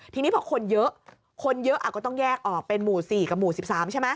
ทีนี้พอคนเยอะคนเยอะก็ต้องแยกออกเป็นหมู่๔กับหมู่๑๓ใช่ไหม